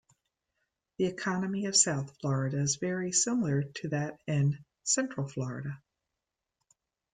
The economy in South Florida is very similar to that in Central Florida.